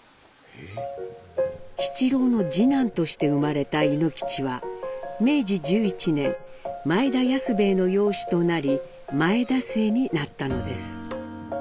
七郎の次男として生まれた猪吉は明治１１年前田安平の養子となり「前田姓」になったのです。